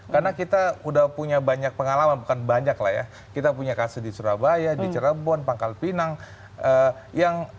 karena kita sudah punya banyak pengalaman bukan banyak lah ya kita punya kasus di surabaya di cirebon pangkal pinang